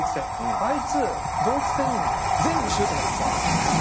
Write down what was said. あいつドイツ戦全部シュートまでいってたんだよね。